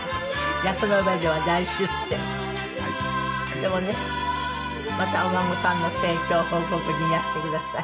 でもねまたお孫さんの成長を報告にいらしてください。